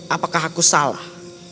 apakah aku salah